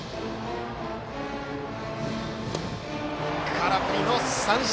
空振り三振。